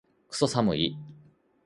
クソ寒い